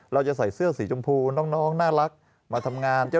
เราจะใส่เสื้อสีชมพูน้องน่ารักมาทำงาน